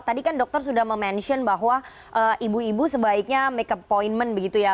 tadi kan dokter sudah mention bahwa ibu ibu sebaiknya make appointment begitu ya